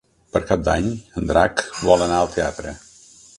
Per Cap d'Any en Drac vol anar al teatre.